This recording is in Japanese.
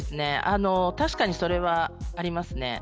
確かにそれはありますね。